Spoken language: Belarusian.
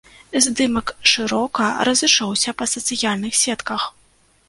Здымак шырока разышоўся па сацыяльных сетках.